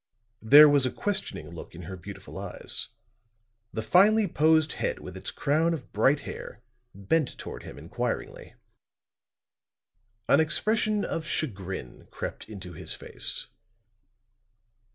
There was a questioning look in her beautiful eyes; the finely posed head with its crown of bright hair bent toward him inquiringly. An expression of chagrin crept into his face.